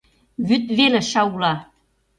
Вӱд веле шаула.